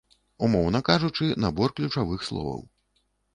Умоўна кажучы, набор ключавых словаў.